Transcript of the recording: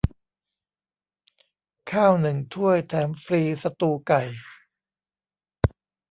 ข้าวหนึ่งถ้วยแถมฟรีสตูว์ไก่